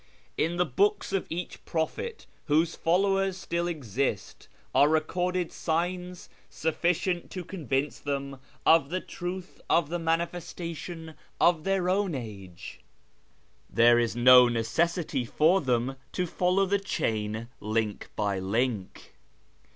In the books of each prophet whose followers still exist are recorded signs sufficient to convince them of the truth of the manifestation of their own age. There is no necessity for them to follow the chain link by link.